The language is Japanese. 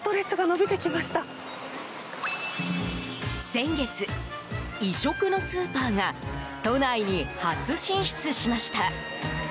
先月、異色のスーパーが都内に初進出しました。